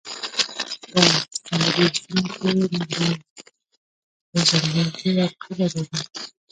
په سنګیر سیمه کې لرغونپېژندونکو یو قبر وموند.